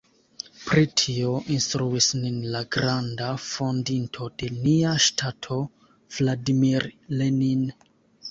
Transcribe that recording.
Pri tio instruis nin la granda fondinto de nia ŝtato Vladimir Lenin.